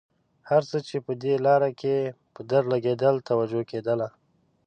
هر څه چې په دې لاره کې په درد لګېدل توجه کېدله.